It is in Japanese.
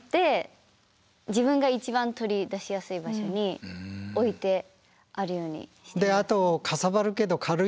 自分が一番取り出しやすい場所に置いてあるように。